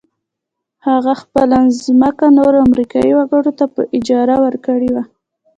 هغه خپله ځمکه نورو امريکايي وګړو ته په اجاره ورکړې وه.